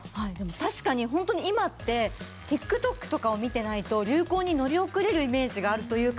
確かに本当に今ってＴｉｋＴｏｋとかを見てないと流行に乗り遅れるイメージがあるというか